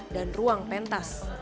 dan ruang pentas